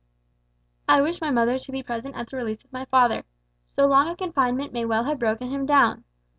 "I wish my mother to be present at the release of my father. So long a confinement may well have broken him down.